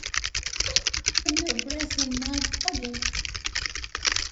I've no breath in my body!